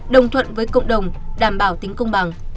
đồng thuận với cộng đồng đảm bảo tính công bằng